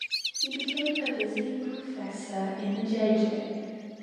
He became a visiting professor in the J. J.